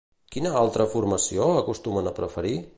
Quina altra formació acostumen a preferir?